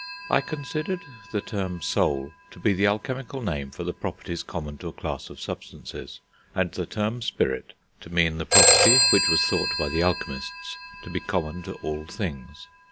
I considered the term soul to be the alchemical name for the properties common to a class of substances, and the term spirit to mean the property which was thought by the alchemists to be common to all things.